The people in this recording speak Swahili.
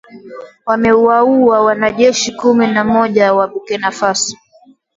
wamewaua wanajeshi kumi na mmoja wa Burkina Faso